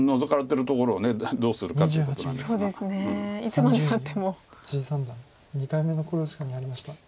三段２回目の考慮時間に入りました。